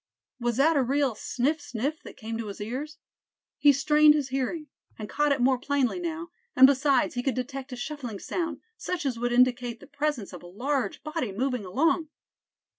Was that a real "sniff, sniff" that came to his ears? He strained his hearing, and caught it more plainly now; and besides, he could detect a shuffling sound, such as would indicate the presence of a large body moving along.